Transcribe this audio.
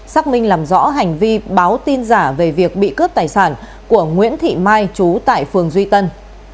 xác minh làm rõ hành vi báo tin giả về việc bị cướp tài sản của nguyễn thị mai chú tại phường duy tân